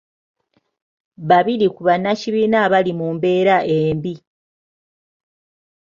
Babiri ku bannakibiina abali mu mbeera embi.